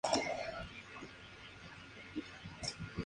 En defecto de todos, el que la Cámara designe.